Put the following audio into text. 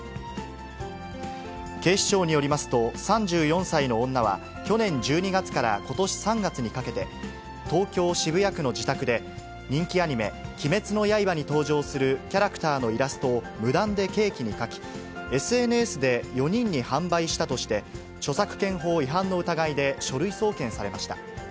警視庁によりますと、３４歳の女は、去年１２月からことし３月にかけて、東京・渋谷区の自宅で、人気アニメ、鬼滅の刃に登場するキャラクターのイラストを無断でケーキに描き、ＳＮＳで４人に販売したとして、著作権法違反の疑いで書類送検されました。